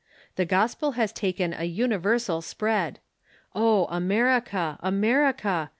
The gospel has taken a universal spread, ... O America, America